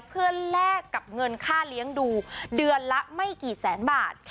เพื่อแลกกับเงินค่าเลี้ยงดูเดือนละไม่กี่แสนบาท